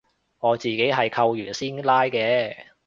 我自己係扣完先拉嘅